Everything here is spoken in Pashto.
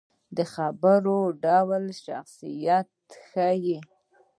د خبرو ډول شخصیت ښيي